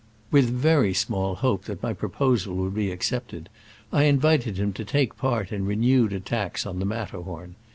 With very small hope that my proposal would be accepted, I invited him to take part in renewed attacks on the Matterhorn.